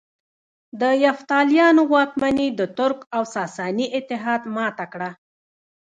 د یفتلیانو واکمني د ترک او ساساني اتحاد ماته کړه